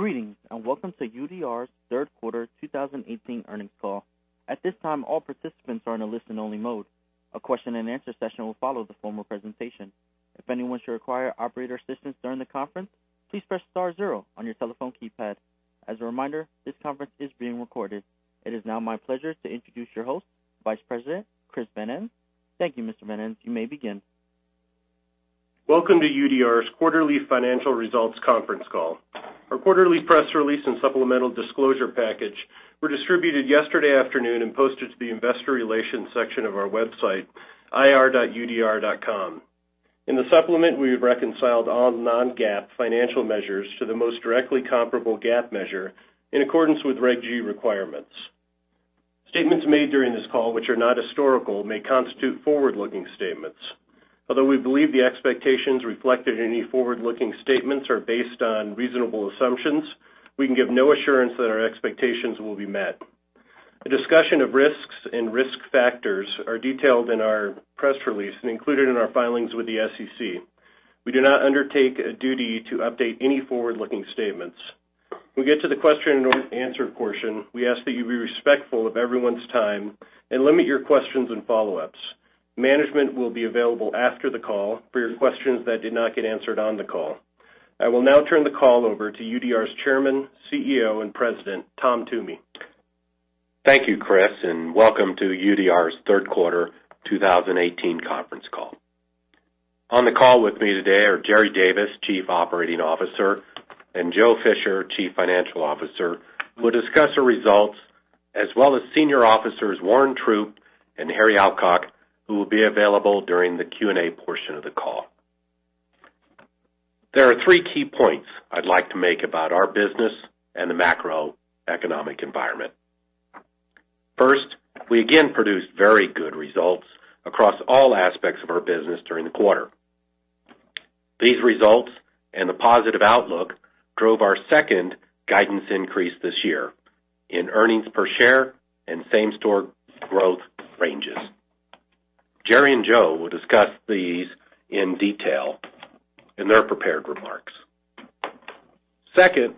Greetings, welcome to UDR's third quarter 2018 earnings call. At this time, all participants are in a listen-only mode. A question and answer session will follow the formal presentation. If anyone should require operator assistance during the conference, please press star zero on your telephone keypad. As a reminder, this conference is being recorded. It is now my pleasure to introduce your host, Vice President Trent Trujillo. Thank you, Mr. Trujillo. You may begin. Welcome to UDR's quarterly financial results conference call. Our quarterly press release and supplemental disclosure package were distributed yesterday afternoon and posted to the investor relations section of our website, ir.udr.com. In the supplement, we have reconciled all non-GAAP financial measures to the most directly comparable GAAP measure in accordance with Reg G requirements. Statements made during this call, which are not historical, may constitute forward-looking statements. Although we believe the expectations reflected in any forward-looking statements are based on reasonable assumptions, we can give no assurance that our expectations will be met. A discussion of risks and risk factors are detailed in our press release and included in our filings with the SEC. We do not undertake a duty to update any forward-looking statements. When we get to the question and answer portion, we ask that you be respectful of everyone's time and limit your questions and follow-ups. Management will be available after the call for your questions that did not get answered on the call. I will now turn the call over to UDR's Chairman, CEO, and President, Tom Toomey. Thank you, Trent, welcome to UDR's third quarter 2018 conference call. On the call with me today are Jerry Davis, Chief Operating Officer, and Joe Fisher, Chief Financial Officer, who will discuss our results, as well as Senior Officers Warren Troupe and Harry Alcock, who will be available during the Q&A portion of the call. There are three key points I'd like to make about our business and the macroeconomic environment. First, we again produced very good results across all aspects of our business during the quarter. These results and the positive outlook drove our second guidance increase this year in earnings per share and same-store growth ranges. Jerry and Joe will discuss these in detail in their prepared remarks. Second,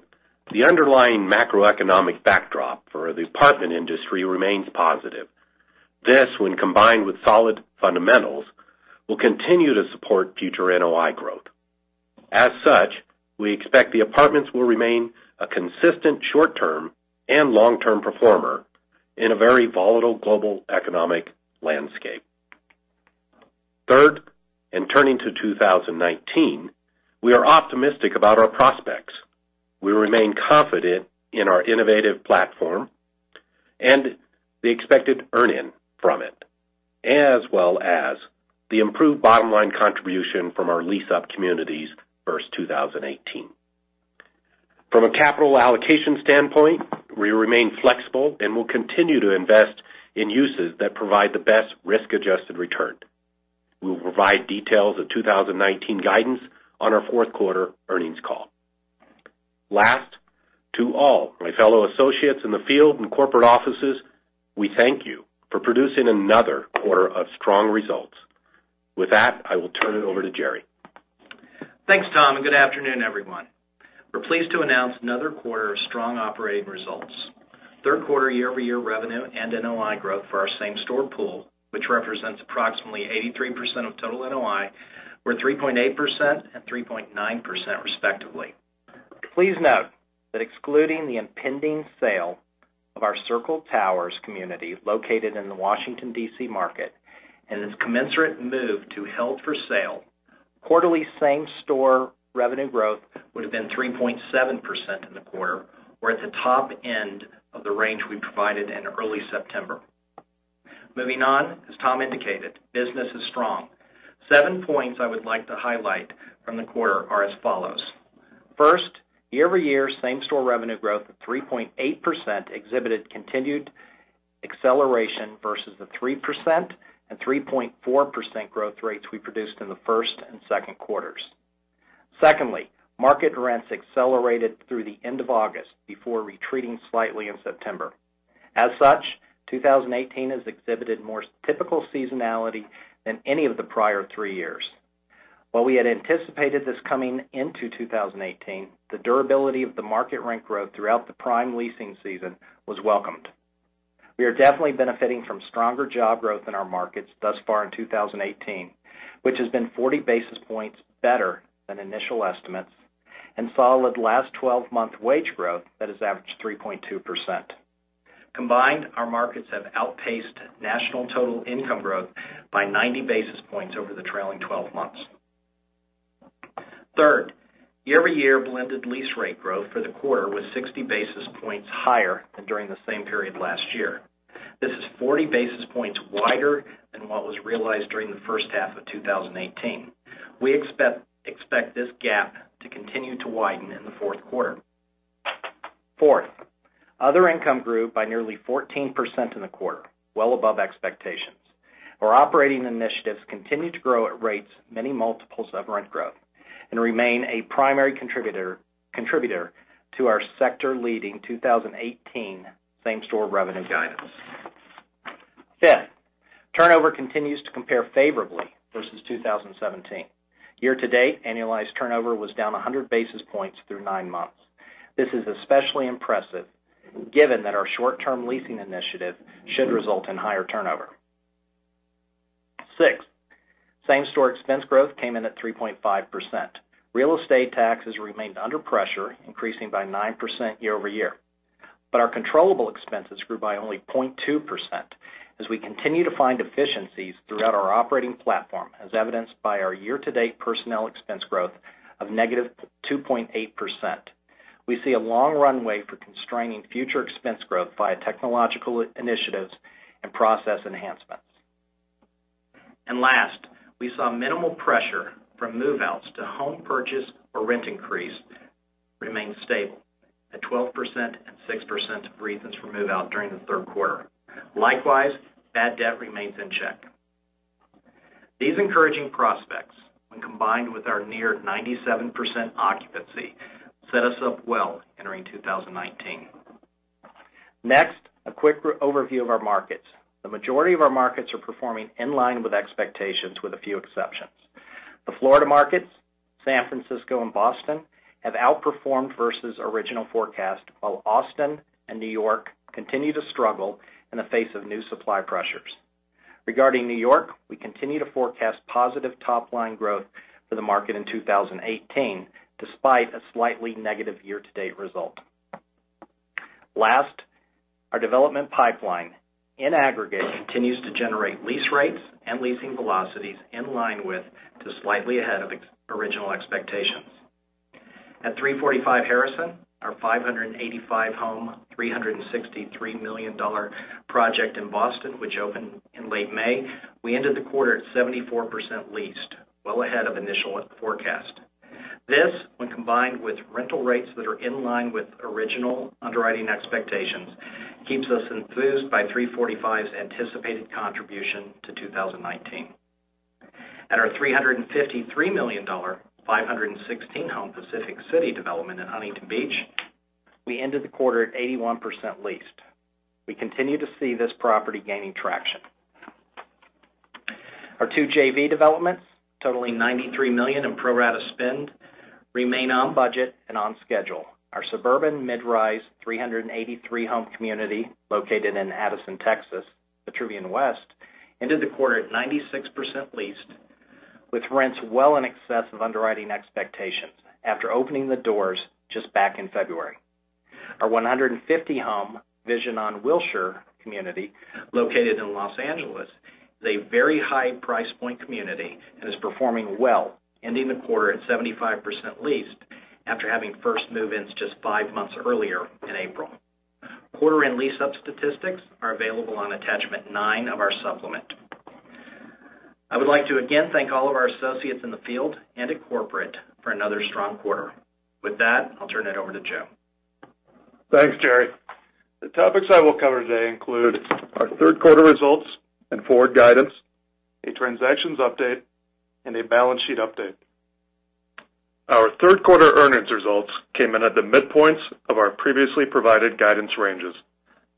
the underlying macroeconomic backdrop for the apartment industry remains positive. This, when combined with solid fundamentals, will continue to support future NOI growth. As such, we expect the apartments will remain a consistent short-term and long-term performer in a very volatile global economic landscape. Third, and turning to 2019, we are optimistic about our prospects. We remain confident in our innovative platform and the expected earn-in from it, as well as the improved bottom-line contribution from our lease-up communities versus 2018. From a capital allocation standpoint, we remain flexible and will continue to invest in uses that provide the best risk-adjusted return. We will provide details of 2019 guidance on our fourth quarter earnings call. Last, to all my fellow associates in the field and corporate offices, we thank you for producing another quarter of strong results. With that, I will turn it over to Jerry. Thanks, Tom, and good afternoon, everyone. We're pleased to announce another quarter of strong operating results. Third quarter year-over-year revenue and NOI growth for our same-store pool, which represents approximately 83% of total NOI, were 3.8% and 3.9% respectively. Please note that excluding the impending sale of our Circle Towers community located in the Washington, D.C. market, and its commensurate move to held for sale, quarterly same-store revenue growth would have been 3.7% in the quarter. We're at the top end of the range we provided in early September. Moving on, as Tom indicated, business is strong. Seven points I would like to highlight from the quarter are as follows. First, year-over-year same-store revenue growth of 3.8% exhibited continued acceleration versus the 3% and 3.4% growth rates we produced in the first and second quarters. Secondly, market rents accelerated through the end of August before retreating slightly in September. As such, 2018 has exhibited more typical seasonality than any of the prior three years. While we had anticipated this coming into 2018, the durability of the market rent growth throughout the prime leasing season was welcomed. We are definitely benefiting from stronger job growth in our markets thus far in 2018, which has been 40 basis points better than initial estimates, and solid last 12-month wage growth that has averaged 3.2%. Combined, our markets have outpaced national total income growth by 90 basis points over the trailing 12 months. Third, year-over-year blended lease rate growth for the quarter was 60 basis points higher than during the same period last year. This is 40 basis points wider than what was realized during the first half of 2018. We expect this gap to continue to widen in the fourth quarter. Fourth, other income grew by nearly 14% in the quarter, well above expectations. Our operating initiatives continue to grow at rates many multiples of rent growth and remain a primary contributor to our sector-leading 2018 same-store revenue guidance. Fifth, turnover continues to compare favorably versus 2017. Year-to-date, annualized turnover was down 100 basis points through nine months. This is especially impressive given that our short-term leasing initiative should result in higher turnover. Sixth, same-store expense growth came in at 3.5%. Real estate taxes remained under pressure, increasing by 9% year-over-year. Our controllable expenses grew by only 0.2% as we continue to find efficiencies throughout our operating platform, as evidenced by our year-to-date personnel expense growth of -2.8%. We see a long runway for constraining future expense growth via technological initiatives and process enhancements. Last, we saw minimal pressure from move-outs to home purchase or rent increase remain stable at 12% and 6% of reasons for move-out during the third quarter. Likewise, bad debt remains in check. These encouraging prospects, when combined with our near 97% occupancy, set us up well entering 2019. Next, a quick overview of our markets. The majority of our markets are performing in line with expectations with a few exceptions. The Florida markets, San Francisco, and Boston have outperformed versus original forecast, while Austin and New York continue to struggle in the face of new supply pressures. Regarding New York, we continue to forecast positive top-line growth for the market in 2018, despite a slightly negative year-to-date result. Last, our development pipeline in aggregate continues to generate lease rates and leasing velocities in line with to slightly ahead of original expectations. At 345 Harrison, our 585-home, $363 million project in Boston, which opened in late May, we ended the quarter at 74% leased, well ahead of initial forecast. This, when combined with rental rates that are in line with original underwriting expectations, keeps us enthused by 345's anticipated contribution to 2019. At our $353 million, 516-home Pacific City development in Huntington Beach, we ended the quarter at 81% leased. We continue to see this property gaining traction. Our two JV developments, totaling $93 million in pro rata spend, remain on budget and on schedule. Our suburban mid-rise 383-home community located in Addison, Texas, Vitruvian West, ended the quarter at 96% leased with rents well in excess of underwriting expectations after opening the doors just back in February. Our 150-home Vision on Wilshire community, located in Los Angeles, is a very high price point community and is performing well, ending the quarter at 75% leased after having first move-ins just five months earlier in April. Quarter and lease-up statistics are available on attachment nine of our supplement. I would like to again thank all of our associates in the field and at corporate for another strong quarter. With that, I'll turn it over to Joe. Thanks, Jerry. The topics I will cover today include our third quarter results and forward guidance, a transactions update, and a balance sheet update. Our third quarter earnings results came in at the midpoints of our previously provided guidance ranges.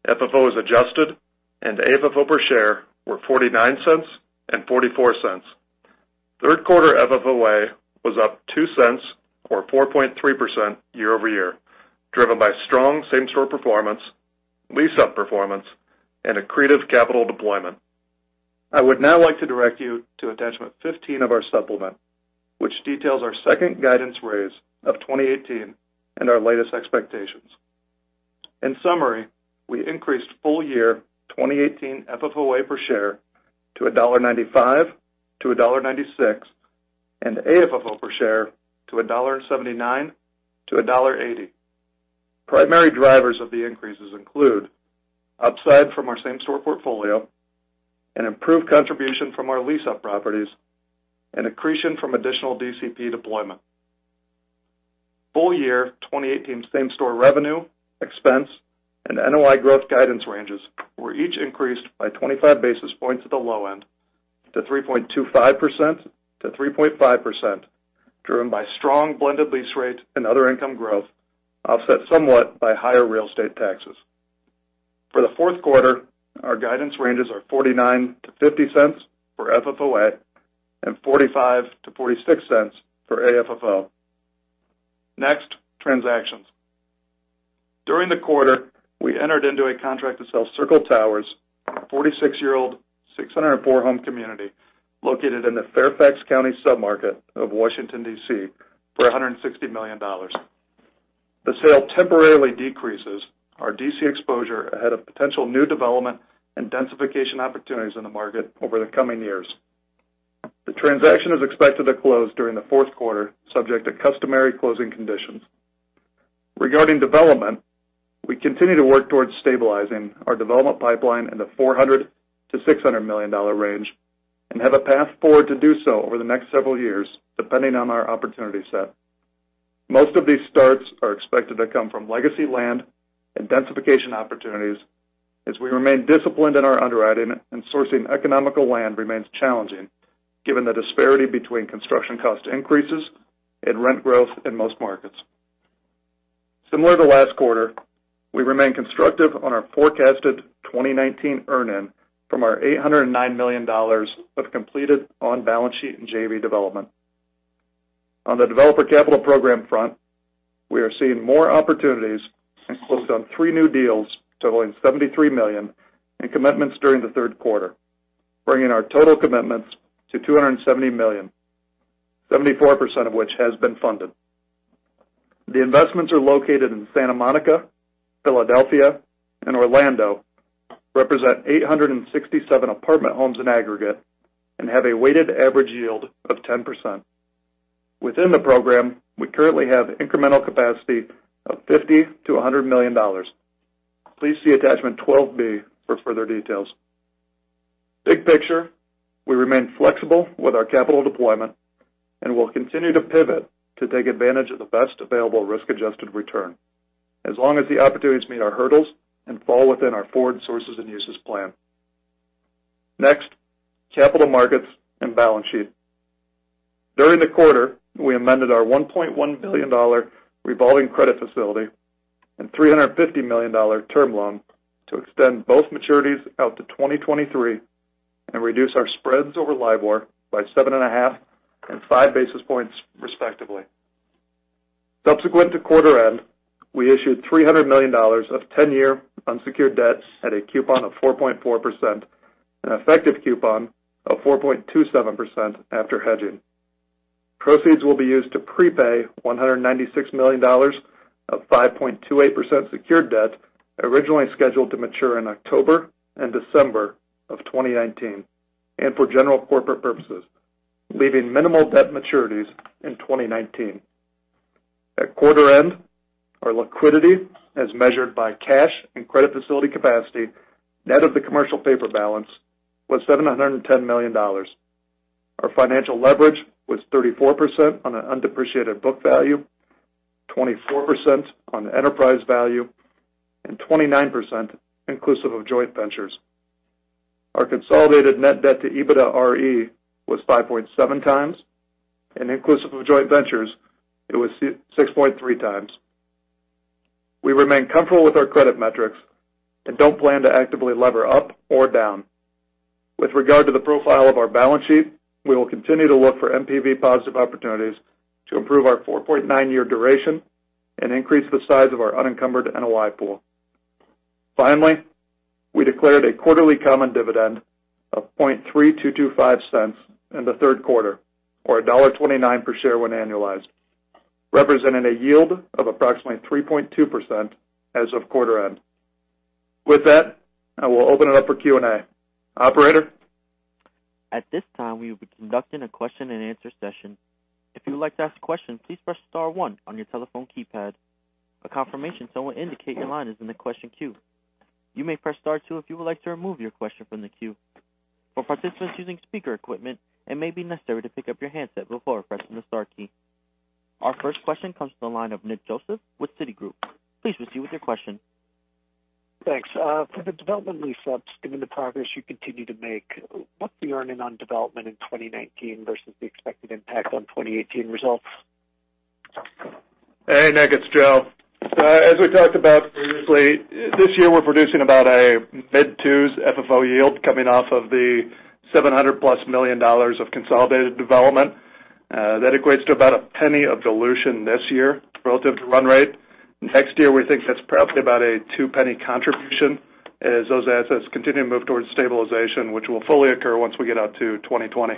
FFO as adjusted and AFFO per share were $0.49 and $0.44. Third quarter FFOA was up $0.02, or 4.3% year-over-year, driven by strong same-store performance, lease-up performance, and accretive capital deployment. I would now like to direct you to attachment 15 of our supplement, which details our second guidance raise of 2018 and our latest expectations. In summary, I increased full year 2018 FFOA per share to $1.95-$1.96, and AFFO per share to $1.79-$1.80. Primary drivers of the increases include upside from our same-store portfolio, an improved contribution from our lease-up properties, and accretion from additional DCP deployment. Full year 2018 same-store revenue, expense, and NOI growth guidance ranges were each increased by 25 basis points at the low end to 3.25%-3.5%, driven by strong blended lease rates and other income growth, offset somewhat by higher real estate taxes. For the fourth quarter, our guidance ranges are $0.49-$0.50 for FFOA, and $0.45-$0.46 for AFFO. Next, transactions. During the quarter, we entered into a contract to sell Circle Towers, a 46-year-old, 604-home community located in the Fairfax County submarket of Washington, D.C., for $160 million. The sale temporarily decreases our D.C. exposure ahead of potential new development and densification opportunities in the market over the coming years. The transaction is expected to close during the fourth quarter, subject to customary closing conditions. Regarding development, we continue to work towards stabilizing our development pipeline in the $400 million-$600 million range and have a path forward to do so over the next several years, depending on our opportunity set. Most of these starts are expected to come from legacy land and densification opportunities as we remain disciplined in our underwriting and sourcing economical land remains challenging given the disparity between construction cost increases and rent growth in most markets. Similar to last quarter, we remain constructive on our forecasted 2019 earn-in from our $809 million of completed on-balance sheet and JV development. On the Developer Capital Program front, we are seeing more opportunities and closed on three new deals totaling $73 million in commitments during the third quarter, bringing our total commitments to $270 million, 74% of which has been funded. The investments are located in Santa Monica, Philadelphia, and Orlando, represent 867 apartment homes in aggregate, and have a weighted average yield of 10%. Within the program, we currently have incremental capacity of $50 million-$100 million. Please see attachment 12B for further details. Big picture, we remain flexible with our capital deployment and will continue to pivot to take advantage of the best available risk-adjusted return, as long as the opportunities meet our hurdles and fall within our forward sources and uses plan. Next, capital markets and balance sheet. During the quarter, we amended our $1.1 billion revolving credit facility and $350 million term loan to extend both maturities out to 2023 and reduce our spreads over LIBOR by 7.5 and 5 basis points respectively. Subsequent to quarter end, we issued $300 million of 10-year unsecured debts at a coupon of 4.4% and an effective coupon of 4.27% after hedging. Proceeds will be used to prepay $196 million of 5.28% secured debt originally scheduled to mature in October and December of 2019, and for general corporate purposes, leaving minimal debt maturities in 2019. At quarter end, our liquidity, as measured by cash and credit facility capacity, net of the commercial paper balance, was $710 million. Our financial leverage was 34% on an undepreciated book value, 24% on the enterprise value, and 29% inclusive of joint ventures. Our consolidated net debt to EBITDAre was 5.7 times, and inclusive of joint ventures, it was 6.3 times. We remain comfortable with our credit metrics and don't plan to actively lever up or down. With regard to the profile of our balance sheet, we will continue to look for NPV-positive opportunities to improve our 4.9-year duration and increase the size of our unencumbered NOI pool. Finally, we declared a quarterly common dividend of $0.003225 in the third quarter, or $1.29 per share when annualized, representing a yield of approximately 3.2% as of quarter end. With that, I will open it up for Q&A. Operator? At this time, we will be conducting a question-and-answer session. If you would like to ask a question, please press star one on your telephone keypad. A confirmation tone will indicate your line is in the question queue. You may press star two if you would like to remove your question from the queue. For participants using speaker equipment, it may be necessary to pick up your handset before pressing the star key. Our first question comes from the line of Nick Joseph with Citigroup. Please proceed with your question. Thanks. For the development lease-ups given the progress you continue to make, what's the earn-in on development in 2019 versus the expected impact on 2018 results? Hey, Nick. It's Joe. As we talked about previously, this year we're producing about a mid-twos FFO yield coming off of the $700-plus million of consolidated development. That equates to about a $0.01 of dilution this year relative to run rate. Next year, we think that's probably about a $0.02 contribution as those assets continue to move towards stabilization, which will fully occur once we get out to 2020.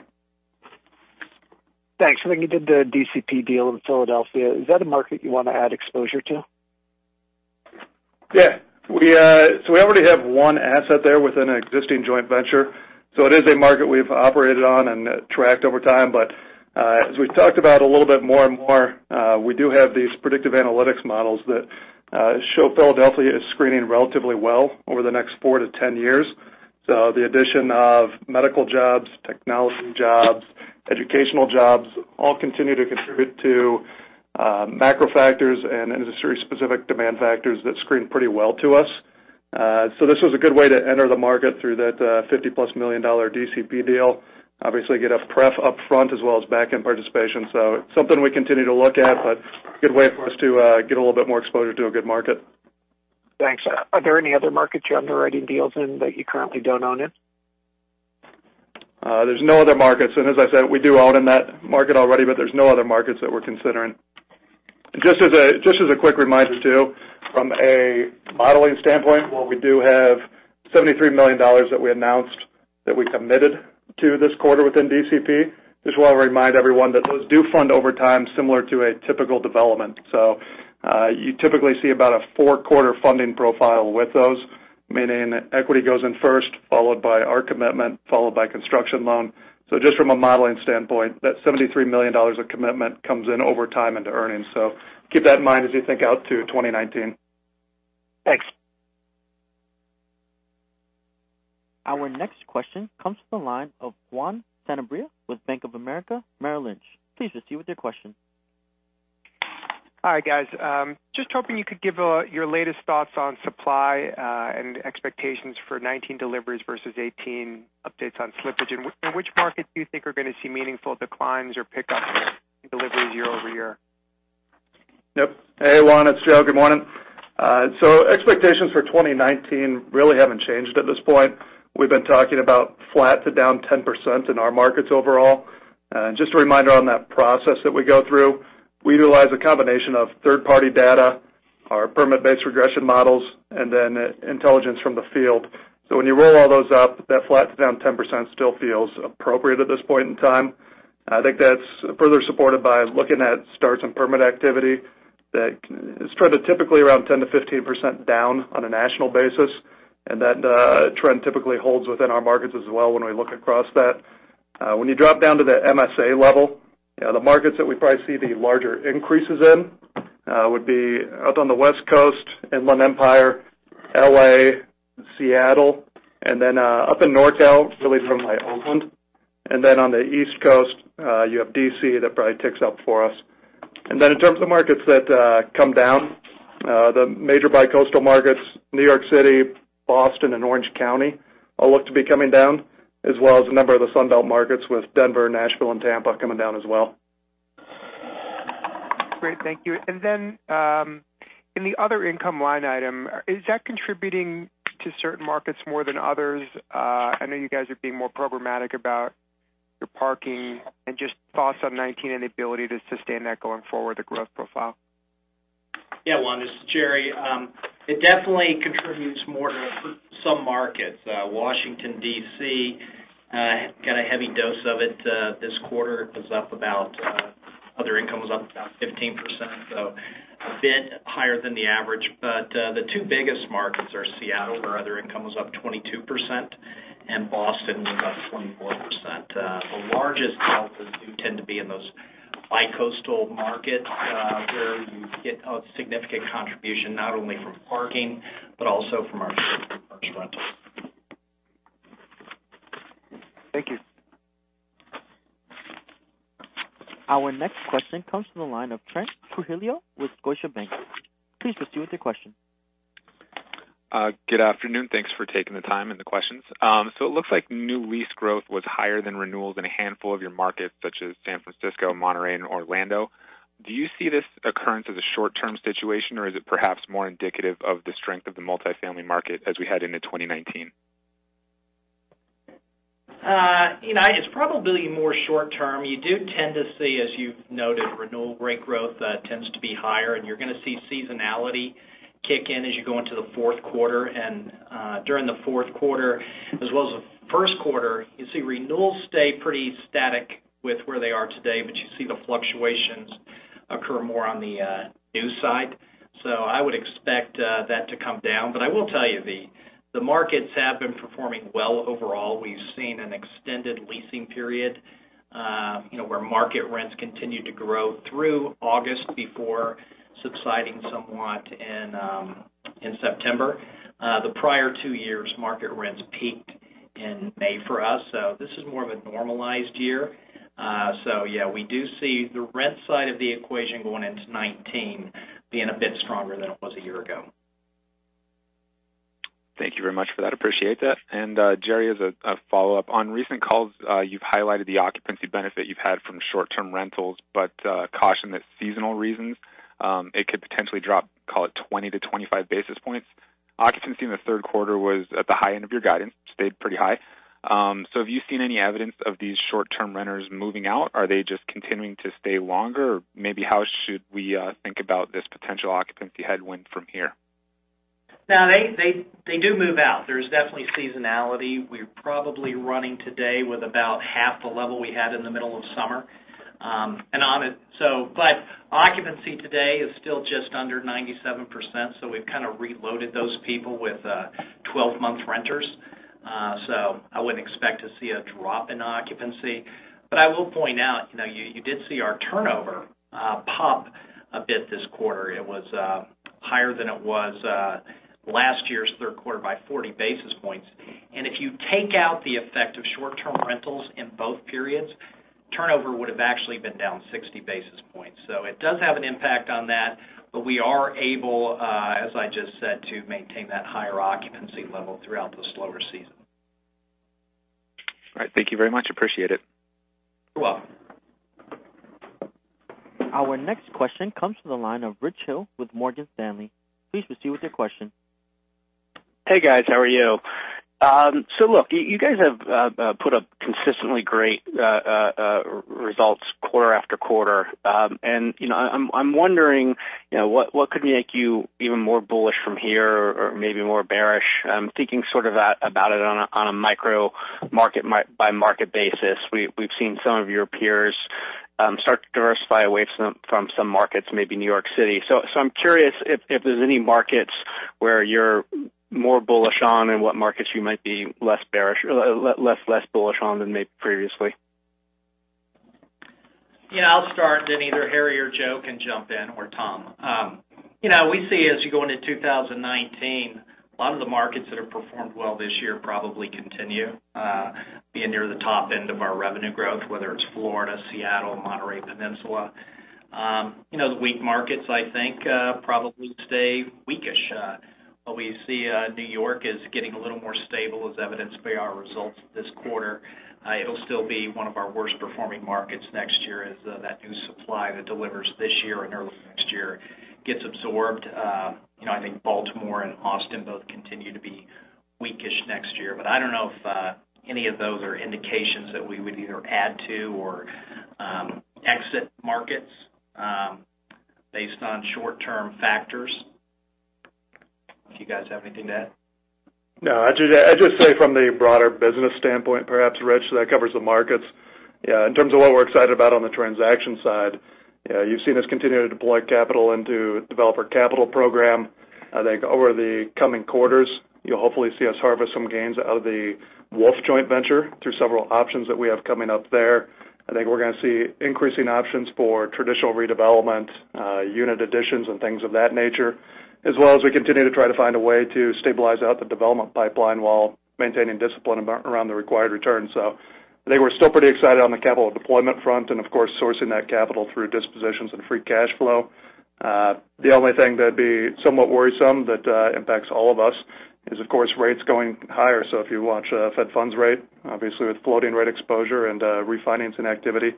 Thanks. I think you did the DCP deal in Philadelphia. Is that a market you want to add exposure to? Yeah. We already have one asset there within an existing joint venture. It is a market we've operated on and tracked over time. As we've talked about a little bit more and more, we do have these predictive analytics models that show Philadelphia is screening relatively well over the next four to 10 years. The addition of medical jobs, technology jobs, educational jobs, all continue to contribute to macro factors and industry-specific demand factors that screen pretty well to us. This was a good way to enter the market through that $50-plus million DCP deal. Obviously, get a pref upfront as well as backend participation. It's something we continue to look at, but a good way for us to get a little bit more exposure to a good market. Thanks. Are there any other markets you have underwritten deals in that you currently don't own in? There's no other markets. As I said, we do own in that market already, but there's no other markets that we're considering. Just as a quick reminder, too, from a modeling standpoint, while we do have $73 million that we announced that we committed to this quarter within DCP, just want to remind everyone that those do fund over time similar to a typical development. You typically see about a four-quarter funding profile with those, meaning equity goes in first, followed by our commitment, followed by construction loan. Just from a modeling standpoint, that $73 million of commitment comes in over time into earnings. Keep that in mind as you think out to 2019. Thanks. Our next question comes from the line of Juan Sanabria with Bank of America Merrill Lynch. Please proceed with your question. Hi, guys. Just hoping you could give your latest thoughts on supply, expectations for 2019 deliveries versus 2018 updates on slippage. Which markets do you think are going to see meaningful declines or pickups? Yep. Hey, Juan, it's Joe. Good morning. Expectations for 2019 really haven't changed at this point. We've been talking about flat to down 10% in our markets overall. Just a reminder on that process that we go through, we utilize a combination of third-party data, our permit-based regression models, and then intelligence from the field. When you roll all those up, that flat to down 10% still feels appropriate at this point in time. I think that's further supported by looking at starts and permit activity that is typically around 10%-15% down on a national basis, and that trend typically holds within our markets as well when we look across that. When you drop down to the MSA level, the markets that we probably see the larger increases in would be out on the West Coast, Inland Empire, L.A., Seattle, and then up in NorCal, really from like Oakland. Then on the East Coast, you have D.C. that probably ticks up for us. Then in terms of markets that come down, the major bi-coastal markets, New York City, Boston, and Orange County all look to be coming down, as well as a number of the Sun Belt markets with Denver, Nashville, and Tampa coming down as well. Great. Thank you. In the other income line item, is that contributing to certain markets more than others? I know you guys are being more programmatic about your parking and just thoughts on 2019 and the ability to sustain that going forward, the growth profile. Yeah, Juan, this is Jerry. It definitely contributes more to some markets. Washington, D.C. got a heavy dose of it this quarter. Other income was up about 15%, a bit higher than the average. The two biggest markets are Seattle, where other income was up 22%, and Boston was up 24%. The largest deltas do tend to be in those bi-coastal markets, where you get a significant contribution not only from parking, but also from our short-term rentals. Thank you. Our next question comes from the line of Trent Trujillo with Scotiabank. Please proceed with your question. Good afternoon. Thanks for taking the time and the questions. It looks like new lease growth was higher than renewals in a handful of your markets, such as San Francisco, Monterey, and Orlando. Do you see this occurrence as a short-term situation, or is it perhaps more indicative of the strength of the multifamily market as we head into 2019? It's probably more short-term. You do tend to see, as you've noted, renewal rate growth tends to be higher, and you're going to see seasonality kick in as you go into the fourth quarter. During the fourth quarter as well as the first quarter, you see renewals stay pretty static with where they are today, but you see the fluctuations occur more on the new side. I would expect that to come down. I will tell you, the markets have been performing well overall. We've seen an extended leasing period where market rents continued to grow through August before subsiding somewhat in September. The prior two years, market rents peaked in May for us, so this is more of a normalized year. Yeah, we do see the rent side of the equation going into 2019 being a bit stronger than it was a year ago. Thank you very much for that. Appreciate that. Jerry, as a follow-up. On recent calls, you've highlighted the occupancy benefit you've had from short-term rentals, but cautioned that seasonal reasons, it could potentially drop, call it 20-25 basis points. Occupancy in the third quarter was at the high end of your guidance, stayed pretty high. Have you seen any evidence of these short-term renters moving out? Are they just continuing to stay longer? Or maybe how should we think about this potential occupancy headwind from here? No, they do move out. There's definitely seasonality. We're probably running today with about half the level we had in the middle of summer. Occupancy today is still just under 97%, so we've kind of reloaded those people with 12-month renters. I wouldn't expect to see a drop in occupancy. I will point out, you did see our turnover pop a bit this quarter. It was higher than it was last year's third quarter by 40 basis points. If you take out the effect of short-term rentals in both periods, turnover would've actually been down 60 basis points. It does have an impact on that, but we are able, as I just said, to maintain that higher occupancy level throughout the slower season. All right. Thank you very much. Appreciate it. You're welcome. Our next question comes from the line of Richard Hill with Morgan Stanley. Please proceed with your question. Hey, guys. How are you? Look, you guys have put up consistently great results quarter after quarter. I'm wondering what could make you even more bullish from here or maybe more bearish? I'm thinking sort of about it on a micro market by market basis. We've seen some of your peers start to diversify away from some markets, maybe New York City. I'm curious if there's any markets where you're more bullish on and what markets you might be less bullish on than maybe previously. Yeah, I'll start, then either Harry Alcock or Joe Fisher can jump in, or Tom Toomey. We see as you go into 2019, a lot of the markets that have performed well this year probably continue being near the top end of our revenue growth, whether it's Florida, Seattle, Monterey Peninsula. The weak markets, I think, probably stay weak-ish Well, we see New York is getting a little more stable, as evidenced by our results this quarter. It'll still be one of our worst-performing markets next year as that new supply that delivers this year and early next year gets absorbed. I think Baltimore and Austin both continue to be weak-ish next year. I don't know if any of those are indications that we would either add to or exit markets based on short-term factors. Do you guys have anything to add? No. I'd just say from the broader business standpoint, perhaps, Rich, that covers the markets. In terms of what we're excited about on the transaction side, you've seen us continue to deploy capital into developer capital program. I think over the coming quarters, you'll hopefully see us harvest some gains out of the Wolff joint venture through several options that we have coming up there. I think we're going to see increasing options for traditional redevelopment, unit additions, and things of that nature, as well as we continue to try to find a way to stabilize out the development pipeline while maintaining discipline around the required return. I think we're still pretty excited on the capital deployment front and, of course, sourcing that capital through dispositions and free cash flow. The only thing that'd be somewhat worrisome that impacts all of us is, of course, rates going higher. If you watch Fed funds rate, obviously, with floating rate exposure and refinancing activity,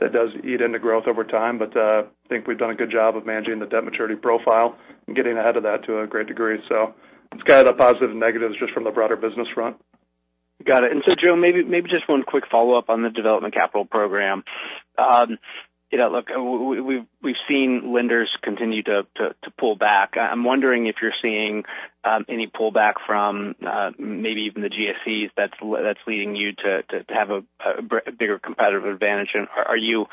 that does eat into growth over time. I think we've done a good job of managing the debt maturity profile and getting ahead of that to a great degree. It's kind of the positive and negatives just from the broader business front. Got it. Joe, maybe just one quick follow-up on the development capital program. Look, we've seen lenders continue to pull back. I'm wondering if you're seeing any pullback from maybe even the GSEs that's leading you to have a bigger competitive advantage. Are you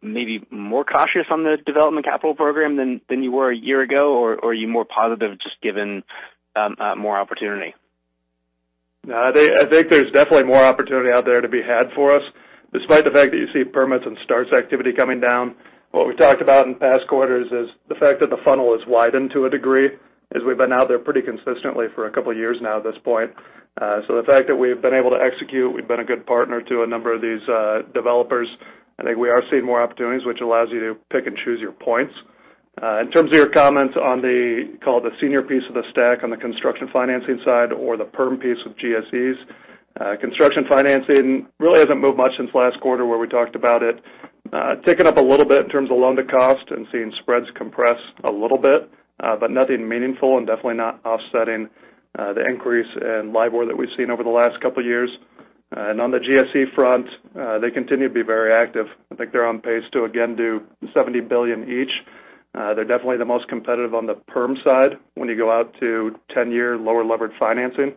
maybe more cautious on the development capital program than you were a year ago, or are you more positive just given more opportunity? No, I think there's definitely more opportunity out there to be had for us, despite the fact that you see permits and starts activity coming down. What we've talked about in past quarters is the fact that the funnel has widened to a degree as we've been out there pretty consistently for a couple of years now at this point. The fact that we've been able to execute, we've been a good partner to a number of these developers. I think we are seeing more opportunities, which allows you to pick and choose your points. In terms of your comments on the, call it the senior piece of the stack on the construction financing side or the perm piece of GSEs. Construction financing really hasn't moved much since last quarter where we talked about it. Ticking up a little bit in terms of loan-to-cost and seeing spreads compress a little bit, but nothing meaningful and definitely not offsetting the increase in LIBOR that we've seen over the last couple of years. On the GSE front, they continue to be very active. I think they're on pace to again do $70 billion each. They're definitely the most competitive on the perm side when you go out to 10-year lower levered financing.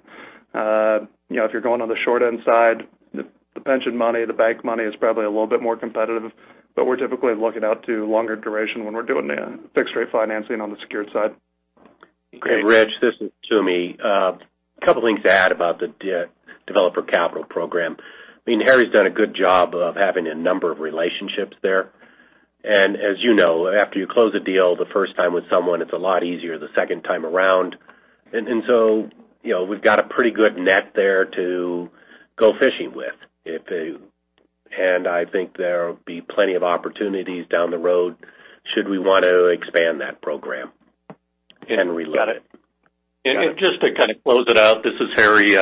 If you're going on the short-end side, the pension money, the bank money is probably a little bit more competitive, but we're typically looking out to longer duration when we're doing fixed-rate financing on the secured side. Great. Rich, this is Toomey. A couple things to add about the developer capital program. Harry's done a good job of having a number of relationships there. As you know, after you close a deal the first time with someone, it's a lot easier the second time around. We've got a pretty good net there to go fishing with. I think there'll be plenty of opportunities down the road should we want to expand that program and reload. Got it. Just to kind of close it out, this is Harry.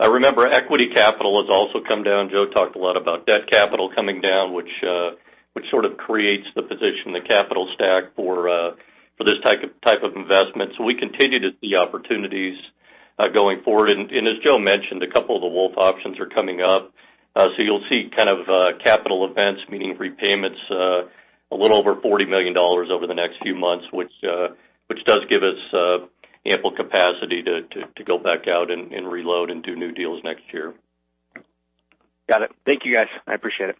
Remember, equity capital has also come down. Joe talked a lot about debt capital coming down, which sort of creates the position in the capital stack for this type of investment. We continue to see opportunities going forward. As Joe mentioned, a couple of the Wolff options are coming up. You'll see kind of capital events, meaning repayments, a little over $40 million over the next few months, which does give us ample capacity to go back out and reload and do new deals next year. Got it. Thank you, guys. I appreciate it.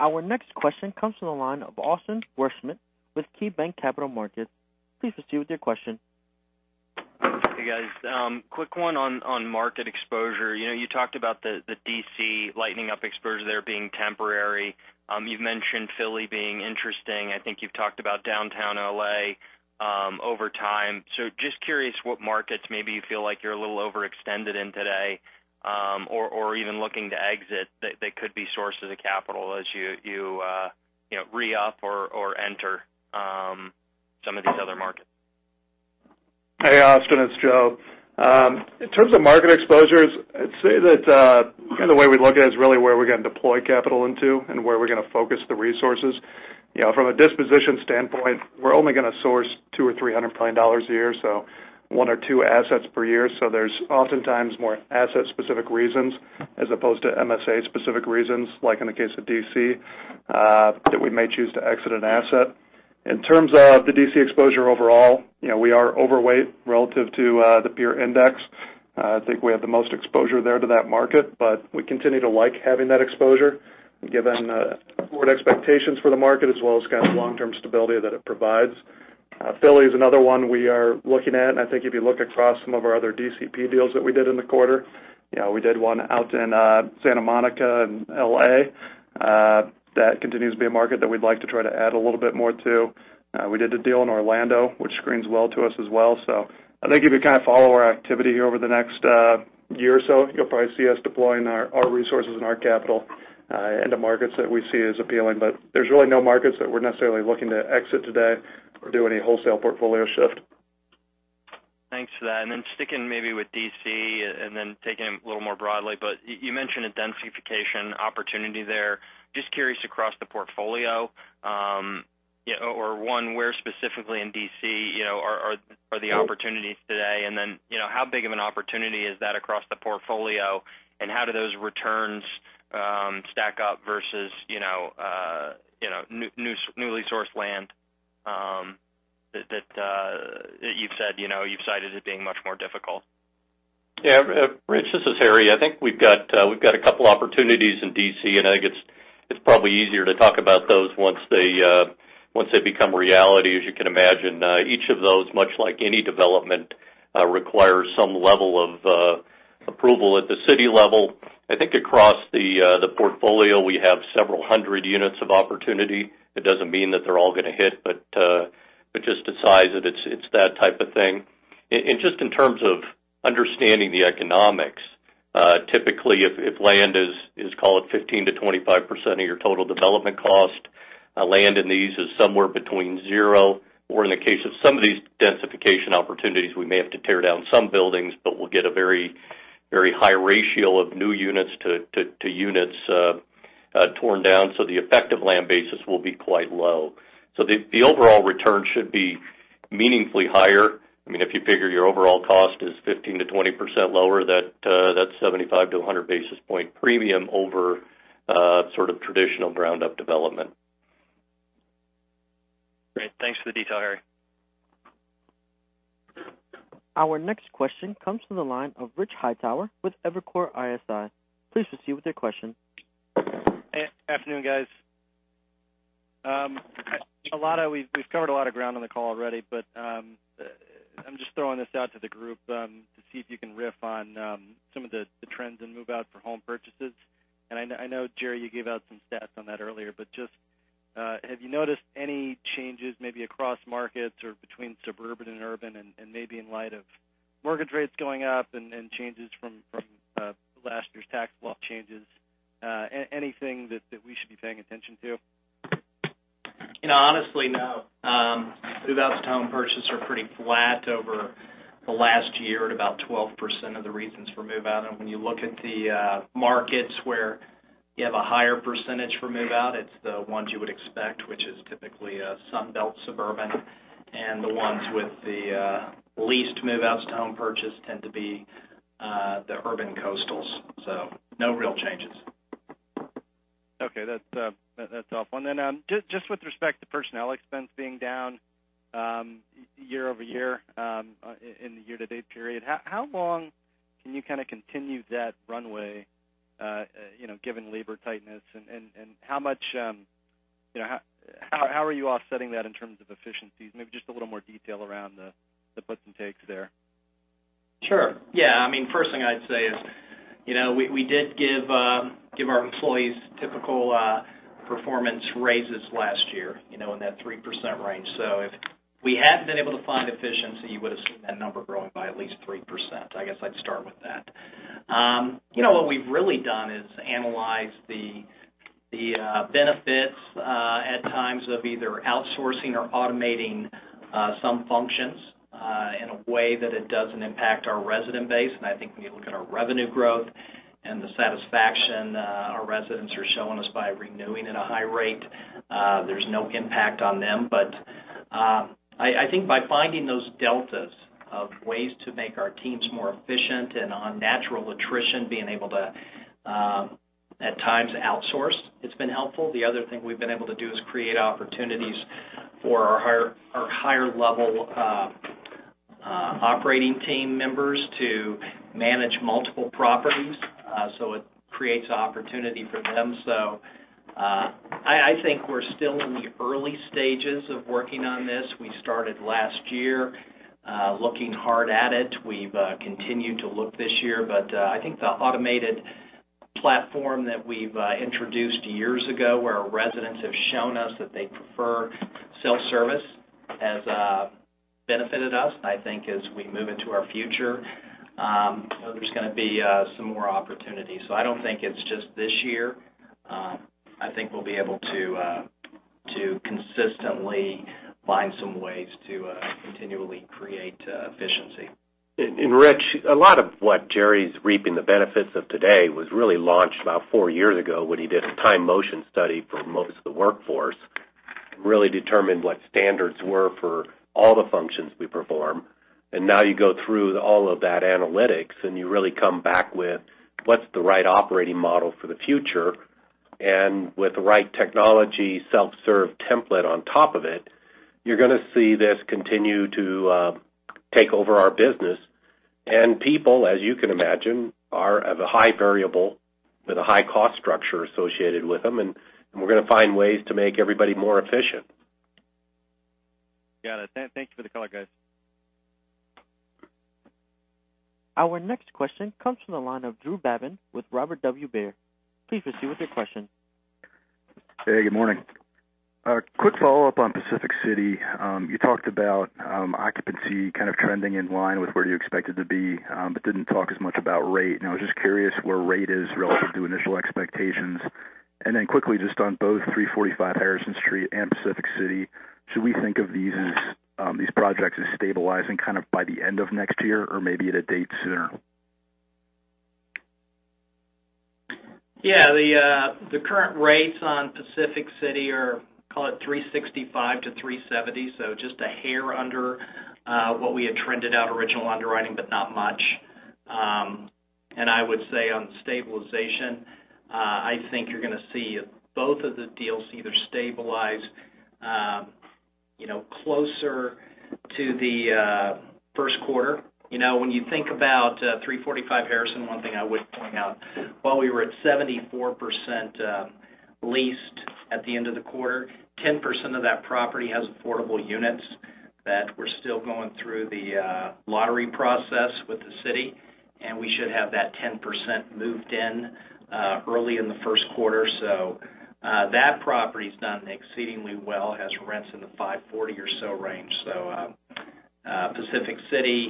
Our next question comes from the line of Austin Wurschmidt with KeyBanc Capital Markets. Please proceed with your question. Hey, guys. Quick one on market exposure. You talked about the D.C. lightening up exposure there being temporary. You've mentioned Philly being interesting. I think you've talked about downtown L.A. over time. Just curious what markets maybe you feel like you're a little overextended in today or even looking to exit that could be sources of capital as you re-up or enter some of these other markets. Hey, Austin, it's Joe. In terms of market exposures, I'd say that kind of the way we look at it is really where we're going to deploy capital into and where we're going to focus the resources. From a disposition standpoint, we're only going to source $200 million-$300 million a year, so one or two assets per year. There's oftentimes more asset-specific reasons as opposed to MSA-specific reasons, like in the case of D.C., that we may choose to exit an asset. In terms of the D.C. exposure overall, we are overweight relative to the peer index. I think we have the most exposure there to that market, but we continue to like having that exposure given forward expectations for the market as well as kind of the long-term stability that it provides. Philly is another one we are looking at, and I think if you look across some of our other DCP deals that we did in the quarter, we did one out in Santa Monica and L.A. That continues to be a market that we'd like to try to add a little bit more to. We did a deal in Orlando, which screens well to us as well. I think if you kind of follow our activity over the next year or so, you'll probably see us deploying our resources and our capital into markets that we see as appealing. There's really no markets that we're necessarily looking to exit today or do any wholesale portfolio shift. Thanks for that. Sticking maybe with D.C. and then taking it a little more broadly, you mentioned identification opportunity there. Just curious across the portfolio, or one, where specifically in D.C. are the opportunities today, and then how big of an opportunity is that across the portfolio, and how do those returns stack up versus newly sourced land that you've cited as being much more difficult? Yeah. Rich, this is Harry. I think we've got a couple opportunities in D.C., I think it's probably easier to talk about those once they become reality. As you can imagine, each of those, much like any development, requires some level of approval at the city level. I think across the portfolio, we have several hundred units of opportunity. That doesn't mean that they're all going to hit, just the size of it's that type of thing. Just in terms of understanding the economics, typically, if land is, call it 15%-25% of your total development cost, land in these is somewhere between zero, or in the case of some of these densification opportunities, we may have to tear down some buildings, but we'll get a very high ratio of new units to units torn down, so the effective land basis will be quite low. The overall return should be meaningfully higher. If you figure your overall cost is 15%-20% lower, that's 75-100 basis point premium over sort of traditional ground-up development. Great. Thanks for the detail, Harry. Our next question comes from the line of Richard Hightower with Evercore ISI. Please proceed with your question. Hey, afternoon, guys. I'm just throwing this out to the group to see if you can riff on some of the trends in move-out for home purchases. I know, Jerry, you gave out some stats on that earlier, but just have you noticed any changes, maybe across markets or between suburban and urban, and maybe in light of mortgage rates going up and changes from last year's tax law changes, anything that we should be paying attention to? Honestly, no. Move-outs to home purchase are pretty flat over the last year at about 12% of the reasons for move-out. When you look at the markets where you have a higher percentage for move-out, it's the ones you would expect, which is typically Sun Belt suburban, and the ones with the least move-outs to home purchase tend to be the urban coastals. No real changes. Okay. That's helpful. Just with respect to personnel expense being down year-over-year in the year-to-date period, how long can you kind of continue that runway given labor tightness, and how are you offsetting that in terms of efficiencies? Maybe just a little more detail around the puts and takes there. Sure. Yeah. First thing I'd say is, we did give our employees typical performance raises last year, in that 3% range. If we hadn't been able to find efficiency, you would've seen that number growing by at least 3%. I guess I'd start with that. What we've really done is analyze the benefits at times of either outsourcing or automating some functions in a way that it doesn't impact our resident base. I think when you look at our revenue growth and the satisfaction our residents are showing us by renewing at a high rate, there's no impact on them. I think by finding those deltas of ways to make our teams more efficient and on natural attrition, being able to, at times, outsource, it's been helpful. The other thing we've been able to do is create opportunities for our higher-level operating team members to manage multiple properties. It creates opportunity for them. I think we're still in the early stages of working on this. We started last year looking hard at it. We've continued to look this year, I think the automated platform that we've introduced years ago, where our residents have shown us that they prefer self-service, has benefited us. I think as we move into our future, there's going to be some more opportunities. I don't think it's just this year. I think we'll be able to consistently find some ways to continually create efficiency. And Rich, a lot of what Jerry's reaping the benefits of today was really launched about 4 years ago when he did a time motion study for most of the workforce, really determined what standards were for all the functions we perform. Now you go through all of that analytics, you really come back with what's the right operating model for the future. With the right technology, self-serve template on top of it, you're going to see this continue to take over our business. People, as you can imagine, are of a high variable with a high cost structure associated with them, and we're going to find ways to make everybody more efficient. Got it. Thank you for the color, guys. Our next question comes from the line of Drew Babin with Robert W. Baird. Please proceed with your question. A quick follow-up on Pacific City. You talked about occupancy kind of trending in line with where you expected to be, but didn't talk as much about rate. I was just curious where rate is relative to initial expectations. Then quickly, just on both 345 Harrison and Pacific City, should we think of these projects as stabilizing by the end of next year or maybe at a date sooner? Yeah. The current rates on Pacific City are, call it $365-$370, so just a hair under what we had trended out original underwriting, but not much. I would say on stabilization, I think you're going to see both of the deals either stabilize closer to the first quarter. When you think about 345 Harrison, one thing I would point out, while we were at 74% leased at the end of the quarter, 10% of that property has affordable units that were still going through the lottery process with the city, and we should have that 10% moved in early in the first quarter. That property's done exceedingly well, has rents in the $540 or so range. Pacific City,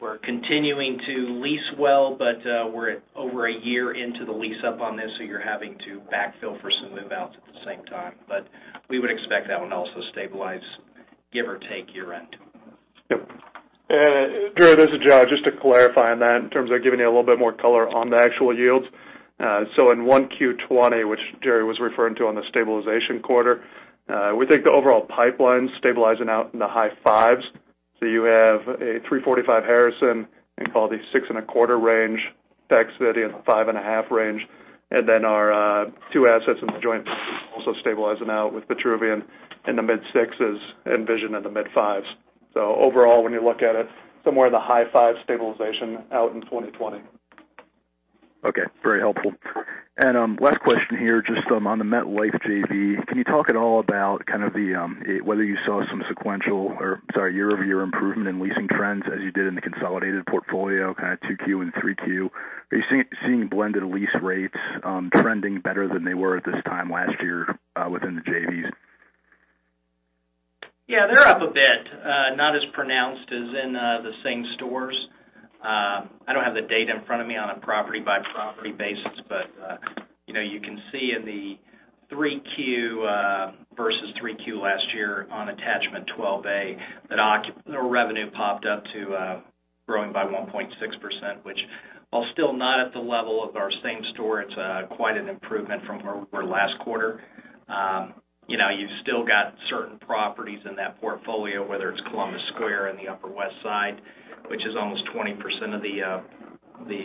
we're continuing to lease well, but we're over a year into the lease-up on this, so you're having to backfill for some move-outs at the same time. We would expect that one also stabilizes, give or take year-end. Yep. Jerry, this is Joe. Just to clarify on that, in terms of giving you a little bit more color on the actual yields. In 1Q 2020, which Jerry was referring to on the stabilization quarter, we think the overall pipeline's stabilizing out in the high 5s. You have a 345 Harrison, we call the 6.25% range, Pac City in the 5.5% range, and then our two assets in the joint venture also stabilizing out with the Vitruvian in the mid-6s and Vision in the mid-5s. Overall, when you look at it, somewhere in the high-5 stabilization out in 2020. Okay. Very helpful. One question here, just from on the MetLife JVs, can you talk at all about whether you saw some sequential or year-over-year improvement in leasing trends as you did in the consolidated portfolio, 2Q and 3Q? Do you see blended lease rates trending better than they were at this time last year within the JVs? Yeah, they're up a bit. Not as pronounced as in the same stores. I don't have the data in front of me on a property-by-property basis, but you can see in the 3Q versus 3Q last year on attachment 12A, that revenue popped up to growing by 1.6%, which while still not at the level of our same store, it's quite an improvement from where we were last quarter. You've still got certain properties in that portfolio, whether it's Columbus Square in the Upper West Side, which is almost 20% of the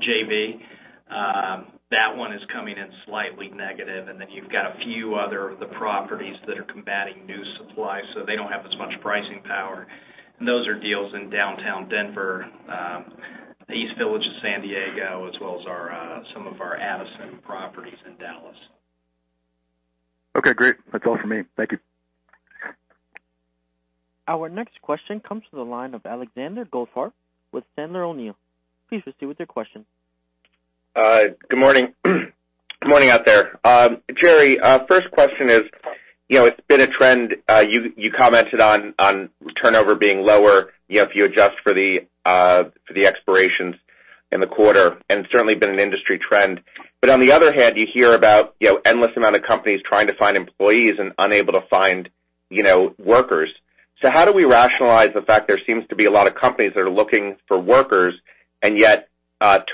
JV. That one is coming in slightly negative. Then you've got a few other of the properties that are combating new supply, so they don't have as much pricing power, and those are deals in downtown Denver, the East Village of San Diego, as well as some of our Addison properties in Dallas. Okay, great. That's all for me. Thank you. Our next question comes from the line of Alexander Goldfarb with Sandler O'Neill. Please proceed with your question. Good morning. Good morning out there. Jerry, first question is, it's been a trend, you commented on turnover being lower, if you adjust for the expirations in the quarter, and it's certainly been an industry trend. On the other hand, you hear about endless amount of companies trying to find employees and unable to find workers. How do we rationalize the fact there seems to be a lot of companies that are looking for workers and yet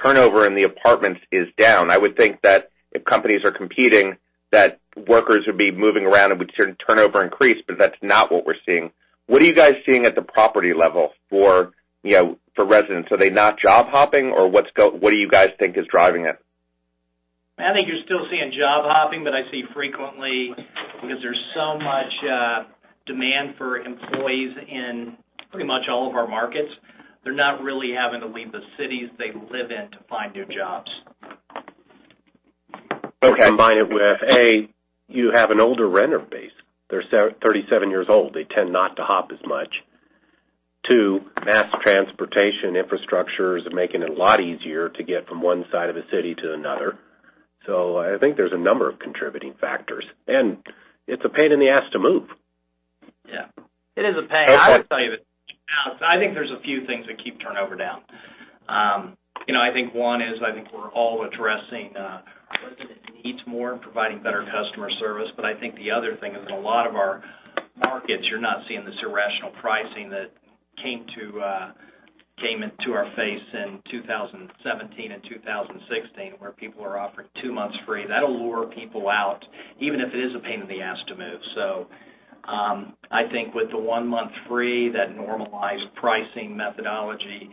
turnover in the apartments is down? I would think that if companies are competing, that workers would be moving around and we'd see turnover increase, but that's not what we're seeing. What are you guys seeing at the property level for residents? Are they not job hopping or what do you guys think is driving it? I think you're still seeing job hopping, but I see frequently, because there's so much demand for employees in pretty much all of our markets, they're not really having to leave the cities they live in to find new jobs. Okay. Combine it with, A, you have an older renter base. They're 37 years old. They tend not to hop as much. Two, mass transportation infrastructures are making it a lot easier to get from one side of the city to another. I think there's a number of contributing factors, and it's a pain in the ass to move. Yeah. It is a pain. I would tell you that I think there's a few things that keep turnover down. I think one is, I think we're all addressing resident needs more and providing better customer service. I think the other thing is, in a lot of our markets, you're not seeing the irrational pricing that came into our face in 2017 and 2016, where people were offered two months free. That'll lure people out, even if it is a pain in the ass to move. I think with the one month free, that normalized pricing methodology,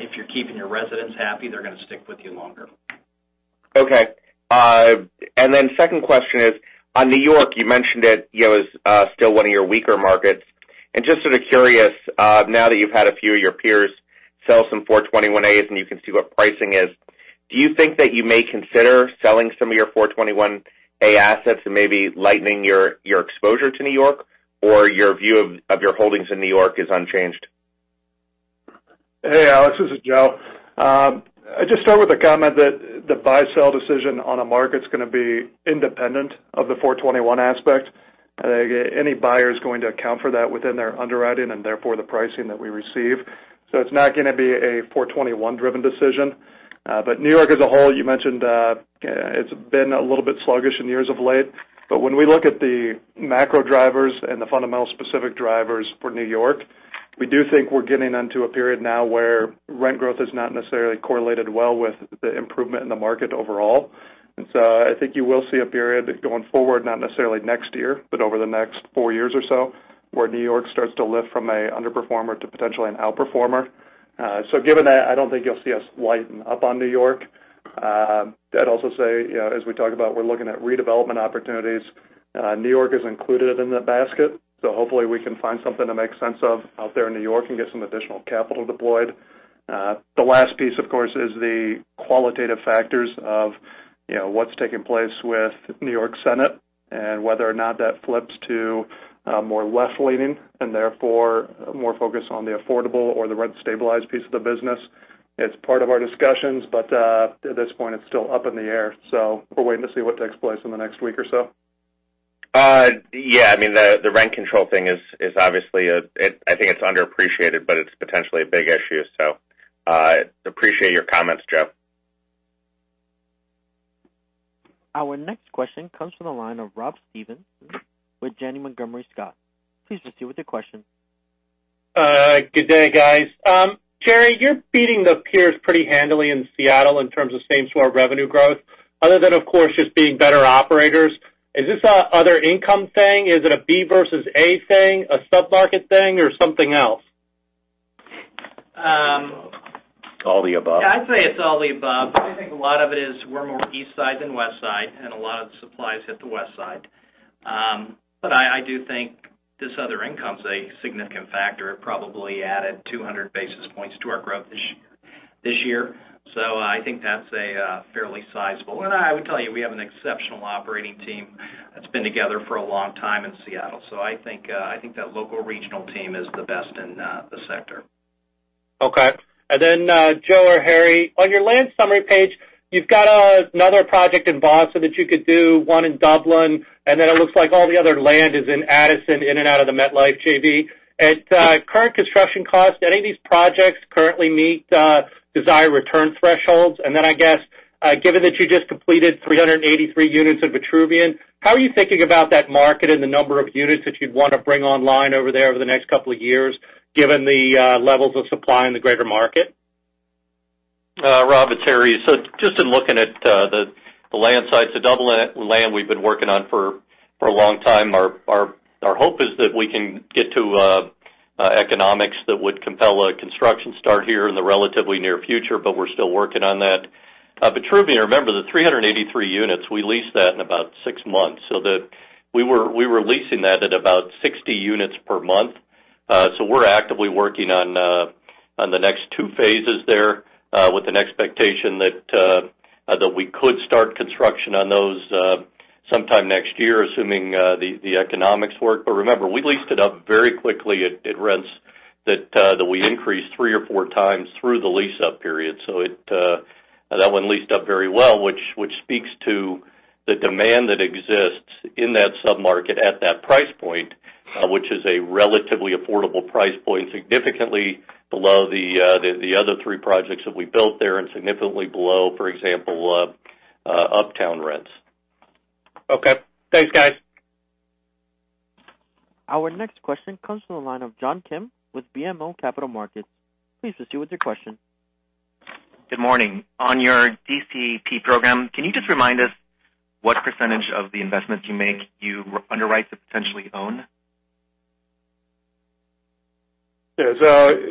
if you're keeping your residents happy, they're going to stick with you longer. Okay. Second question is on New York, you mentioned that it was still one of your weaker markets. Just sort of curious, now that you've had a few of your peers sell some 421-a's and you can see what pricing is, do you think that you may consider selling some of your 421-a assets and maybe lightening your exposure to New York? Or your view of your holdings in New York is unchanged? Hey, Alex, this is Joe. I'd just start with a comment that the buy-sell decision on a market's going to be independent of the 421 aspect. I think any buyer's going to account for that within their underwriting and therefore the pricing that we receive. It's not going to be a 421-driven decision. New York as a whole, you mentioned, it's been a little bit sluggish in years of late. When we look at the macro drivers and the fundamental specific drivers for New York, we do think we're getting into a period now where rent growth is not necessarily correlated well with the improvement in the market overall. I think you will see a period going forward, not necessarily next year, but over the next four years or so, where New York starts to lift from an underperformer to potentially an outperformer. Given that, I don't think you'll see us lighten up on New York. I'd also say, as we talk about, we're looking at redevelopment opportunities. New York is included in that basket, hopefully we can find something to make sense of out there in New York and get some additional capital deployed. The last piece, of course, is the qualitative factors of what's taking place with New York Senate and whether or not that flips to more left-leaning and therefore more focused on the affordable or the rent-stabilized piece of the business. It's part of our discussions, but at this point, it's still up in the air. We're waiting to see what takes place in the next week or so. Yeah. The rent control thing is obviously underappreciated, but it's potentially a big issue. Appreciate your comments, Joe. Our next question comes from the line of Rob Stevenson with Janney Montgomery Scott. Please proceed with your question. Good day, guys. Jerry, you're beating the peers pretty handily in Seattle in terms of same store revenue growth. Other than, of course, just being better operators, is this an other income thing? Is it a B versus A thing, a sub-market thing, or something else? It's all the above. It's all the above. Yeah, I'd say it's all the above. I think a lot of it is we're more east side than west side, a lot of supply is at the west side. I do think this other income's a significant factor. It probably added 200 basis points to our growth this year. I think that's fairly sizable. I would tell you, we have an exceptional operating team that's been together for a long time in Seattle, I think that local regional team is the best in the sector. Okay. Joe or Harry, on your land summary page, you've got another project in Boston that you could do, one in Dublin, it looks like all the other land is in Addison, in and out of the MetLife JV. At current construction cost, do any of these projects currently meet desired return thresholds? I guess, given that you just completed 383 units of Vitruvian, how are you thinking about that market and the number of units that you'd want to bring online over there over the next couple of years, given the levels of supply in the greater market? Rob, it's Harry. Just in looking at the land sites, the Dublin land we've been working on for a long time. Our hope is that we can get to economics that would compel a construction start here in the relatively near future, we're still working on that. Vitruvian, remember, the 383 units, we leased that in about six months, we were leasing that at about 60 units per month. We're actively working on the next two phases there, with an expectation that we could start construction on those sometime next year, assuming the economics work. Remember, we leased it up very quickly at rents that we increased three or four times through the lease-up period. That one leased up very well, which speaks to the demand that exists in that sub-market at that price point, which is a relatively affordable price point, significantly below the other three projects that we built there and significantly below, for example, uptown rents. Okay. Thanks, guys. Our next question comes from the line of John Kim with BMO Capital Markets. Please proceed with your question. Good morning. On your DCP program, can you just remind us what percentage of the investments you make you underwrite to potentially own?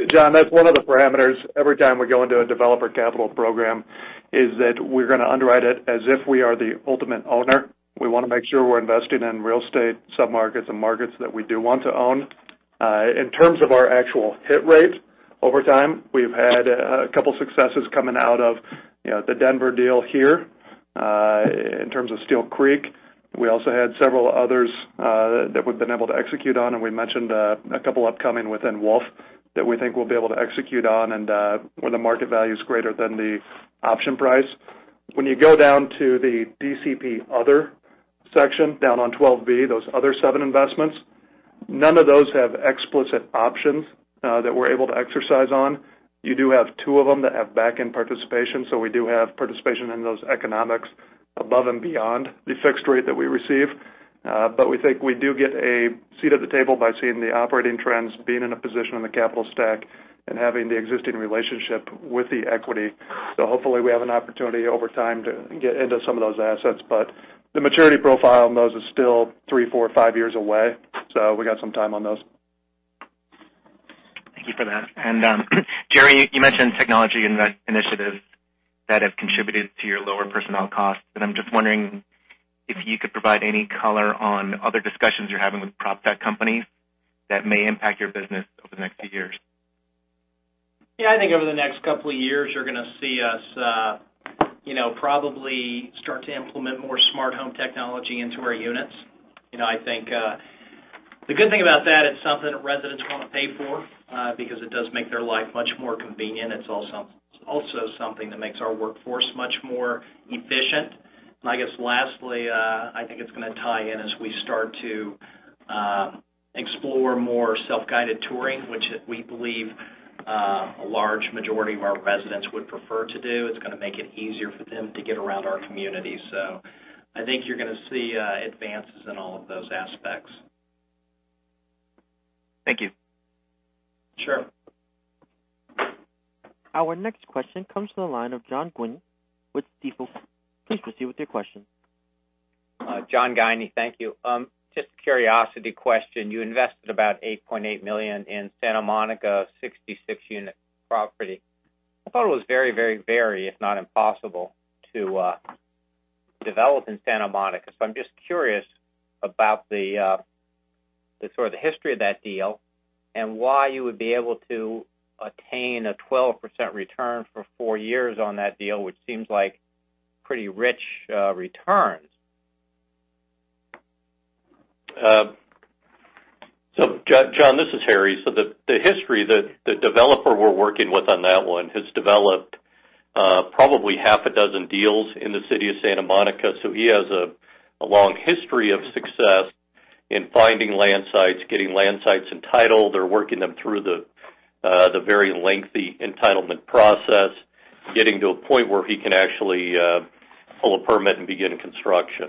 John, that's one of the parameters every time we go into a developer capital program, is that we're going to underwrite it as if we are the ultimate owner. We want to make sure we're investing in real estate sub-markets and markets that we do want to own. In terms of our actual hit rate, over time, we've had a couple successes coming out of the Denver deal here. In terms of Steele Creek, we also had several others that we've been able to execute on, and we mentioned a couple upcoming within Wolff that we think we'll be able to execute on and where the market value's greater than the option price. When you go down to the DCP Other section, down on 12B, those other seven investments, none of those have explicit options that we're able to exercise on. You do have two of them that have backend participation. We do have participation in those economics above and beyond the fixed rate that we receive. We think we do get a seat at the table by seeing the operating trends, being in a position in the capital stack, and having the existing relationship with the equity. Hopefully we have an opportunity over time to get into some of those assets. The maturity profile on those is still three, four, five years away, so we got some time on those. Thank you for that. Jerry, you mentioned technology initiatives that have contributed to your lower personnel costs, and I'm just wondering if you could provide any color on other discussions you're having with prop tech companies that may impact your business over the next few years. Yeah. I think over the next couple of years, you're going to see us probably start to implement more smart home technology into our units. The good thing about that, it's something that residents want to pay for, because it does make their life much more convenient. It's also something that makes our workforce much more efficient. I guess lastly, I think it's going to tie in as we start to explore more self-guided touring, which we believe a large majority of our residents would prefer to do. It's going to make it easier for them to get around our community. I think you're going to see advances in all of those aspects. Thank you. Sure. Our next question comes from the line of John Guinee with Stifel. Please proceed with your question. John Guinee. Thank you. Just a curiosity question. You invested about $8.8 million in Santa Monica, 66-unit property. I thought it was very if not impossible to develop in Santa Monica. I'm just curious about the sort of the history of that deal and why you would be able to attain a 12% return for four years on that deal, which seems like pretty rich returns. John, this is Harry. The history that the developer we're working with on that one has developed probably half a dozen deals in the city of Santa Monica. He has a long history of success in finding land sites, getting land sites entitled, or working them through the very lengthy entitlement process, getting to a point where he can actually pull a permit and begin construction.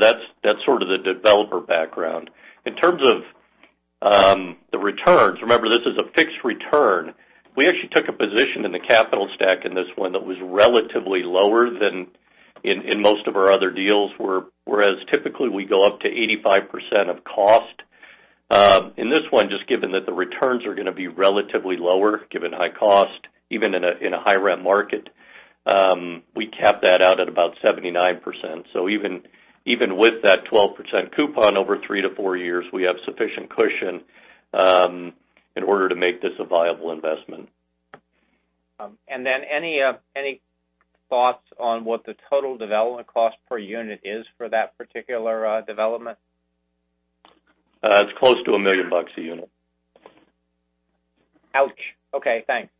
That's sort of the developer background. In terms of the returns, remember, this is a fixed return. We actually took a position in the capital stack in this one that was relatively lower than in most of our other deals, whereas typically we go up to 85% of cost. In this one, just given that the returns are going to be relatively lower given high cost, even in a high-rent market, we capped that out at about 79%. Even with that 12% coupon over three to four years, we have sufficient cushion in order to make this a viable investment. Any thoughts on what the total development cost per unit is for that particular development? It's close to $1 million a unit. Ouch. Okay, thanks.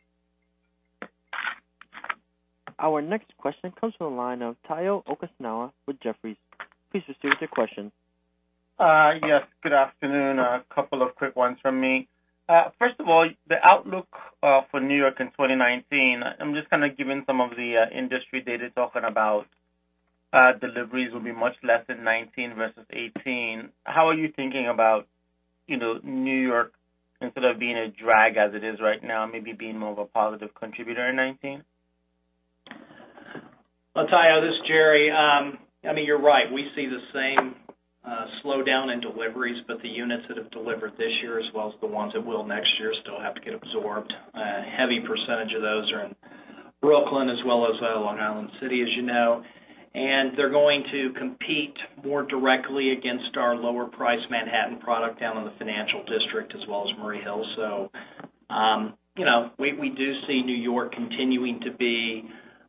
Our next question comes from the line of Tayo Okusanya with Jefferies. Please proceed with your question. Yes, good afternoon. A couple of quick ones from me. The outlook for New York in 2019, I'm just kind of given some of the industry data talking about deliveries will be much less in 2019 versus 2018. How are you thinking about New York instead of being a drag as it is right now, maybe being more of a positive contributor in 2019? Tayo, this is Jerry. You're right. We see the same slowdown in deliveries, but the units that have delivered this year, as well as the ones that will next year, still have to get absorbed. A heavy percentage of those are in Brooklyn as well as Long Island City, as you know. They're going to compete more directly against our lower priced Manhattan product down in the Financial District as well as Murray Hill. We do see New York continuing to be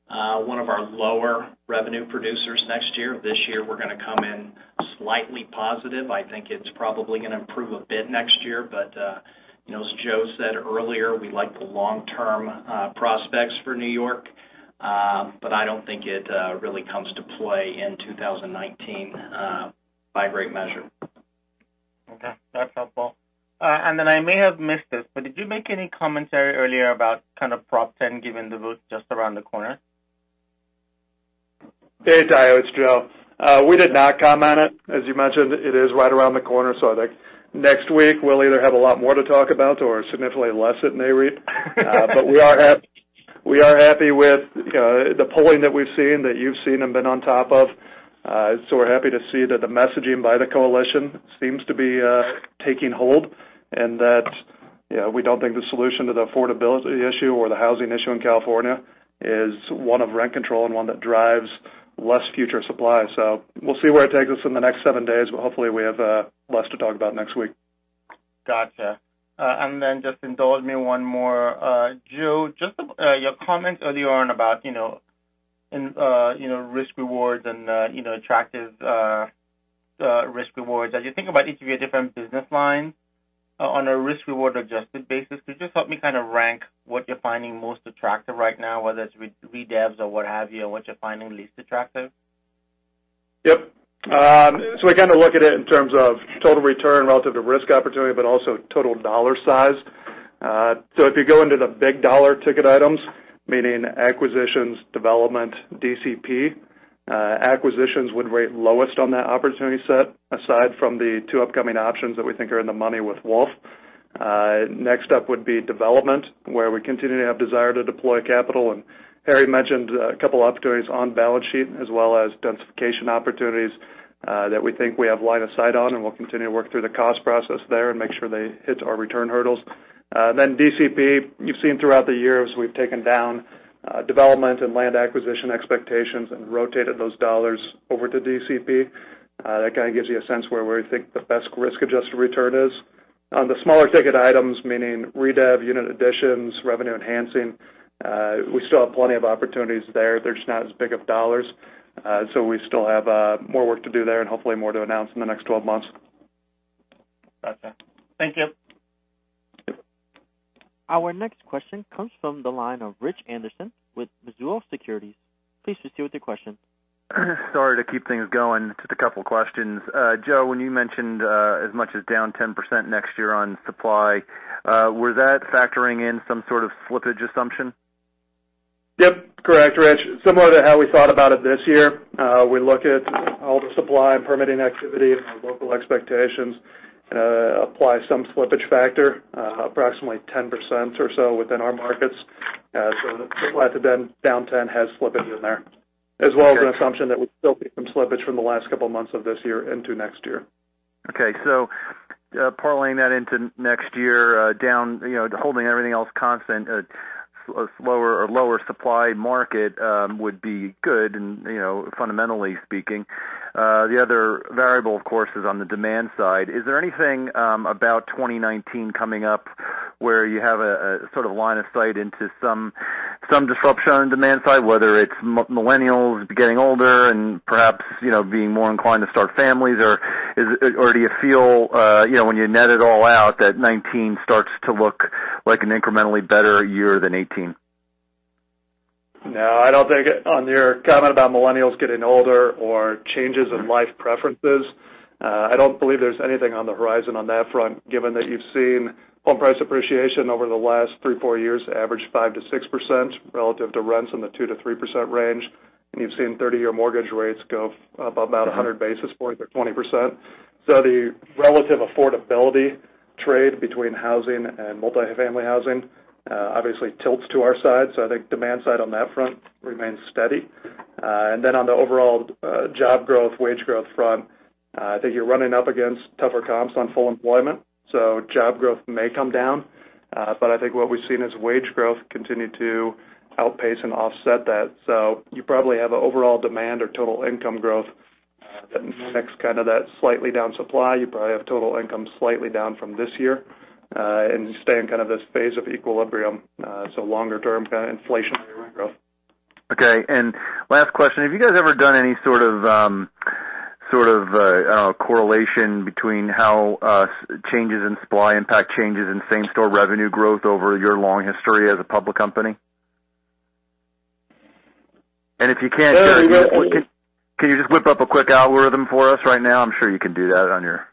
one of our lower revenue producers next year. This year, we're going to come in slightly positive. I think it's probably going to improve a bit next year. As Joe said earlier, we like the long-term prospects for New York. I don't think it really comes to play in 2019 by a great measure. Okay, that's helpful. I may have missed this, did you make any commentary earlier about kind of Proposition 10 given the vote just around the corner? Hey, Tayo, it's Joe. We did not comment on it. As you mentioned, it is right around the corner. I think next week we'll either have a lot more to talk about or significantly less at Nareit. We are happy with the polling that we've seen, that you've seen and been on top of. We're happy to see that the messaging by the coalition seems to be taking hold, and that we don't think the solution to the affordability issue or the housing issue in California is one of rent control and one that drives less future supply. We'll see where it takes us in the next 7 days, but hopefully we have less to talk about next week. Gotcha. Just indulge me one more. Joe, just your comment earlier on about risk rewards and attractive risk rewards. As you think about each of your different business lines on a risk-reward adjusted basis, could you just help me kind of rank what you're finding most attractive right now, whether it's redevs or what have you, and what you're finding least attractive? Yep. We kind of look at it in terms of total return relative to risk opportunity, but also total dollar size. If you go into the big dollar ticket items, meaning acquisitions, development, DCP, acquisitions would rate lowest on that opportunity set, aside from the 2 upcoming options that we think are in the money with Wolff. Next up would be development, where we continue to have desire to deploy capital, and Harry mentioned a couple opportunities on balance sheet as well as densification opportunities, that we think we have line of sight on, and we'll continue to work through the cost process there and make sure they hit our return hurdles. Then DCP, you've seen throughout the years, we've taken down development and land acquisition expectations and rotated those dollars over to DCP. That kind of gives you a sense where we think the best risk-adjusted return is. On the smaller ticket items, meaning redev, unit additions, revenue enhancing, we still have plenty of opportunities there. They're just not as big of dollars. We still have more work to do there and hopefully more to announce in the next 12 months. Gotcha. Thank you. Our next question comes from the line of Rich Anderson with Mizuho Securities. Please proceed with your question. Sorry to keep things going. Just a couple of questions. Joe, when you mentioned as much as down 10% next year on supply, was that factoring in some sort of slippage assumption? Yep. Correct, Rich. Similar to how we thought about it this year, we look at all the supply and permitting activity and our local expectations, apply some slippage factor, approximately 10% or so within our markets. So the flat to down 10% has slippage in there, as well as an assumption that we'll still see some slippage from the last couple months of this year into next year. Okay. Parlaying that into next year, holding everything else constant, a lower supply market would be good fundamentally speaking. The other variable, of course, is on the demand side. Is there anything about 2019 coming up where you have a sort of line of sight into some disruption on the demand side, whether it's millennials getting older and perhaps being more inclined to start families? Or do you feel, when you net it all out, that 2019 starts to look like an incrementally better year than 2018? No, I don't think, on your comment about millennials getting older or changes in life preferences, I don't believe there's anything on the horizon on that front, given that you've seen home price appreciation over the last three, four years average 5%-6%, relative to rents in the 2%-3% range. You've seen 30-year mortgage rates go up about 100 basis points or 20%. The relative affordability trade between housing and multifamily housing obviously tilts to our side. I think demand side on that front remains steady. Then on the overall job growth, wage growth front, I think you're running up against tougher comps on full employment. Job growth may come down. I think what we've seen is wage growth continue to outpace and offset that. You probably have an overall demand or total income growth that affects kind of that slightly down supply. You probably have total income slightly down from this year, and you stay in kind of this phase of equilibrium, so longer term kind of inflationary growth. Okay. Last question, have you guys ever done any sort of correlation between how changes in supply impact changes in same-store revenue growth over your long history as a public company? Can you just whip up a quick algorithm for us right now? I'm sure you can do that on your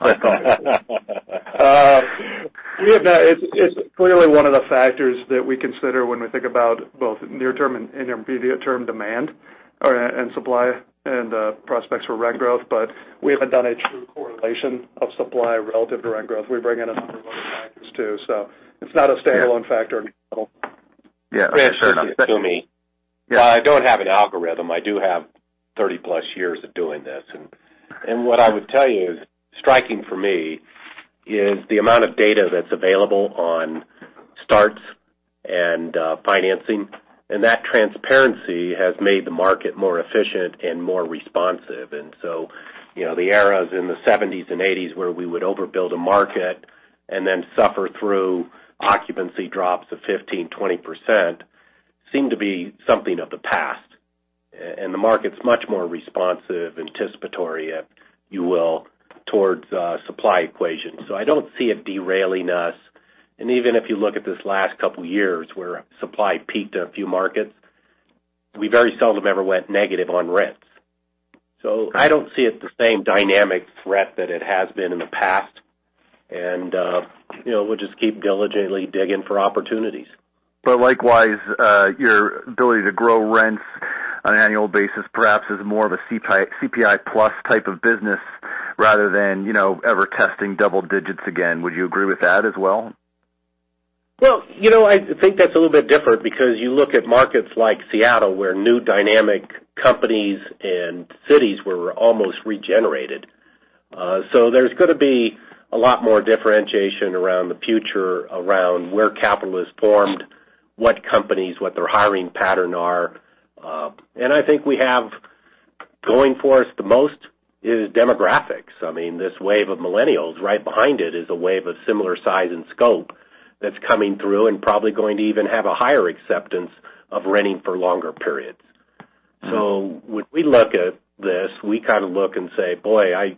iPhone. We have not. It's clearly one of the factors that we consider when we think about both near term and intermediate term demand and supply and prospects for rent growth. We haven't done a true correlation of supply relative to rent growth. We bring in a number of other factors, too. It's not a standalone factor. Yeah. Fair enough. Rich, this is Tom Toomey. Yeah. While I don't have an algorithm, I do have 30-plus years of doing this. What I would tell you is striking for me is the amount of data that's available on starts and financing, that transparency has made the market more efficient and more responsive. The eras in the '70s and '80s where we would overbuild a market and then suffer through occupancy drops of 15%, 20% seem to be something of the past, the market's much more responsive, anticipatory, if you will, towards supply equations. I don't see it derailing us. Even if you look at this last couple of years where supply peaked in a few markets, we very seldom ever went negative on rents. I don't see it the same dynamic threat that it has been in the past. We'll just keep diligently digging for opportunities. Likewise, your ability to grow rents on an annual basis perhaps is more of a CPI plus type of business rather than ever testing double digits again. Would you agree with that as well? Well, I think that's a little bit different because you look at markets like Seattle where new dynamic companies and cities were almost regenerated. There's going to be a lot more differentiation around the future, around where capital is formed, what companies, what their hiring pattern are. I think we have going for us the most is demographics. This wave of millennials, right behind it is a wave of similar size and scope that's coming through and probably going to even have a higher acceptance of renting for longer periods. When we look at this, we kind of look and say, boy, I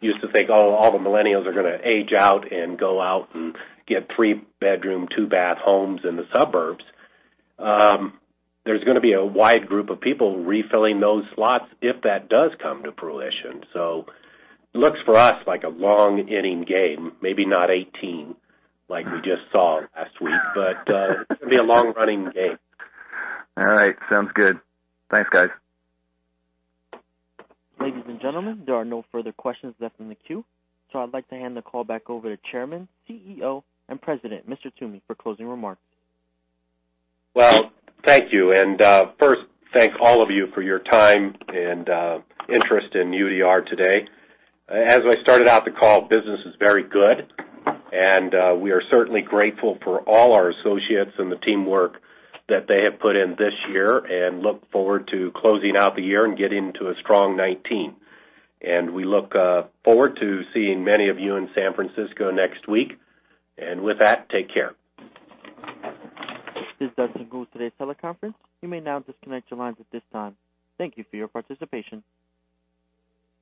used to think, oh, all the millennials are going to age out and go out and get three-bedroom, two-bath homes in the suburbs. There's going to be a wide group of people refilling those slots if that does come to fruition. It looks for us like a long-inning game, maybe not 18 like we just saw last week, but it's going to be a long-running game. All right. Sounds good. Thanks, guys. Ladies and gentlemen, there are no further questions left in the queue. I'd like to hand the call back over to Chairman, CEO, and President, Mr. Toomey, for closing remarks. Well, thank you. First, thank all of you for your time and interest in UDR today. As I started out the call, business is very good. We are certainly grateful for all our associates and the teamwork that they have put in this year and look forward to closing out the year and getting into a strong 2019. We look forward to seeing many of you in San Francisco next week. With that, take care. This does conclude today's teleconference. You may now disconnect your lines at this time. Thank you for your participation.